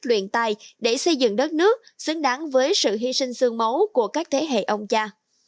luyện tài để xây dựng đất nước xứng đáng với sự hy sinh sương máu của các thế hệ ông cha